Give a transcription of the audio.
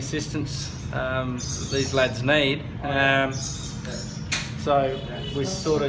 kami tidak memberikan bantuan atau bantuan yang mereka butuhkan